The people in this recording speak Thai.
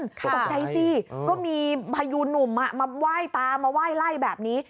ก็ตกใจสิก็มีพยูนหนุ่มมาไหว้ตามมาไหว้ไล่แบบนี้